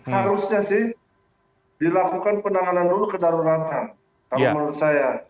harusnya sih dilakukan penanganan dulu kedaruratan kalau menurut saya